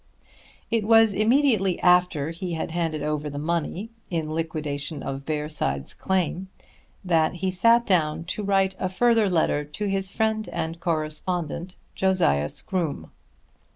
It was immediately after he had handed over the money in liquidation of Bearside's claim that he sat down to write a further letter to his friend and correspondent Josiah Scroome.